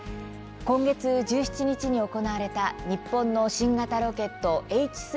今月１７日に行われた日本の新型ロケットＨ３